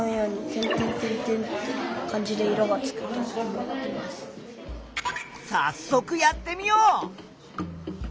例えばさっそくやってみよう！